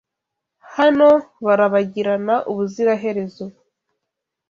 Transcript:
Hano barabagirana ubuziraherezo